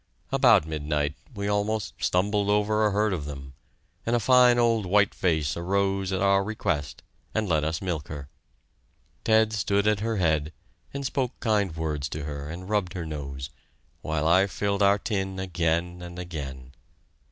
About midnight we almost stumbled over a herd of them, and one fine old whiteface arose at our request and let us milk her. Ted stood at her head, and spoke kind words to her and rubbed her nose, while I filled our tin again and again.